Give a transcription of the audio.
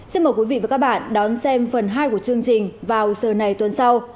xin mời quý vị và các bạn đón xem phần hai của chương trình vào giờ này tuần sau